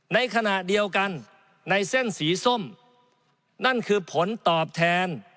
ในขณะเดียวกันในเส้นสีส้มนั่นคือผลตอบแทน